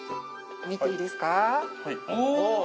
見ていいですか？